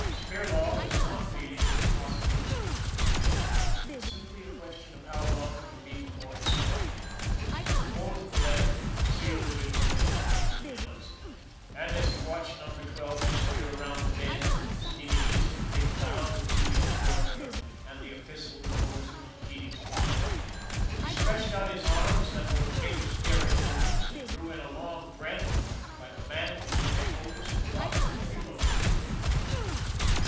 Spirlaw was not dealing with the possibility of trouble it was simply a question of how long it would be before it started. He folded the letter, sealed it in one of the company's manilas, and, as he watched Number Twelve disappear around the bend steaming east for Big Cloud with Keating aboard her and the epistle reposing in Keating's pocket, he stretched out his arms that were big as derrick booms and drew in a long breath like a man from whose shoulders has dropped a heavy load.